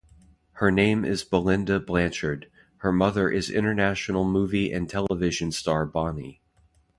Her name is Belinda Blanchard, her mother is international movie and television star Bonnie.